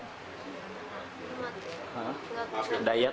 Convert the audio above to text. dayat rahmat dayat